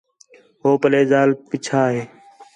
ہو پلّے ذال پیچھا ہِے